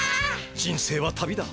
人生は旅だ。